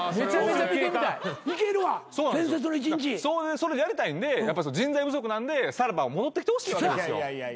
いけるわ『伝説の一日』それやりたいんで人材不足なんでさらば戻ってきてほしいわけですよ。